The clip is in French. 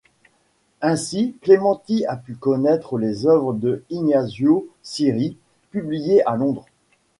Ainsi Clementi a pu connaître les œuvres de Ignazio Cirri, publiées à Londres.